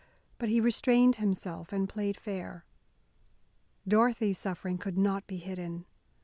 But he restrained himself and played fair. Dorothy's suffering could not be hidden.